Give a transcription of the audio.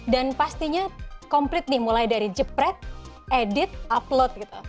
dan pastinya komplit nih mulai dari jepret edit upload gitu